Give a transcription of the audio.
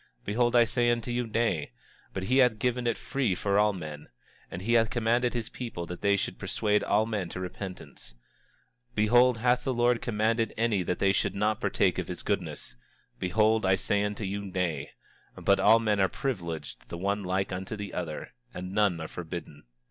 Behold I say unto you, Nay; but he hath given it free for all men; and he hath commanded his people that they should persuade all men to repentance. 26:28 Behold, hath the Lord commanded any that they should not partake of his goodness? Behold I say unto you, Nay; but all men are privileged the one like unto the other, and none are forbidden.